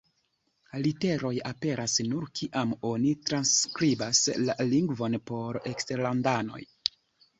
Literoj aperas, nur kiam oni transskribas la lingvon por eksterlandanoj.